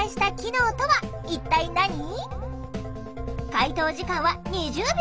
解答時間は２０秒。